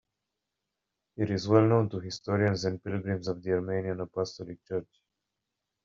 It is well known to historians and pilgrims of the Armenian Apostolic Church.